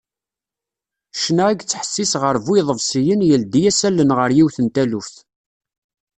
Ccna i yettḥessis γer bu iḍebsiyen yeldi-as allen γer yiwet n taluft.